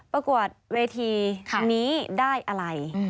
ประกวดเวทีนี้ได้อะไร